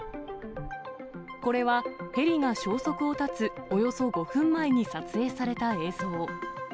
これはヘリが消息を絶つおよそ５分前に撮影された映像。